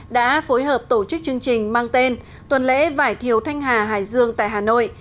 đã phối hợp tổ chức chương trình mang tên tuần lễ vải thiều thanh hà hải dương tại hà nội